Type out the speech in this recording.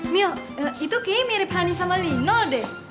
mil itu kayaknya mirip hani sama lino deh